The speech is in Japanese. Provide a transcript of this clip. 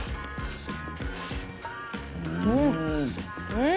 うん！